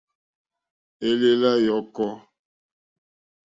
Èlèlà yɔ̀kɔ́.